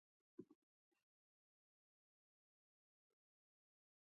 د آرام سمندر سواحل د بېړیو لنګر اچولو ته برابر نه دی.